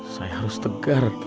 saya harus tegar